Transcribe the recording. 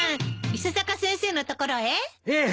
ええ。